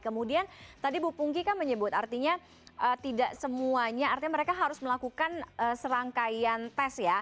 kemudian tadi bu pungki kan menyebut artinya tidak semuanya artinya mereka harus melakukan serangkaian tes ya